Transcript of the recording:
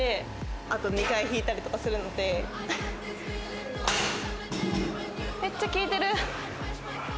あと２回引いたりとかするので、めっちゃ効いてる！